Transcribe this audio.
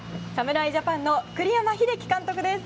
侍ジャパンの栗山英樹監督です。